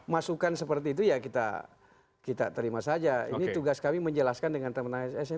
masukan seperti itu ya kita terima saja ini tugas kami menjelaskan dengan teman asn